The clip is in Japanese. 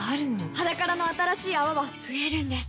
「ｈａｄａｋａｒａ」の新しい泡は増えるんです